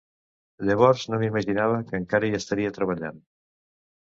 Llavors no m’imaginava que encara hi estaria treballant.